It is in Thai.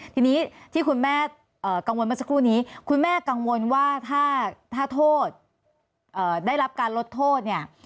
ทีนี้ที่คุณแม่กังวลเมื่อสักครู่นี้คุณแม่กังวลว่าถ้าโทษได้รับการลดโทษเนี่ย